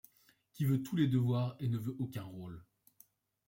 Qui veut tous les devoirs et ne veut aucun rôle